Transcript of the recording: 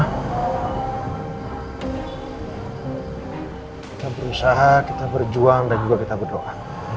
kita berusaha kita berjuang dan juga kita berdoa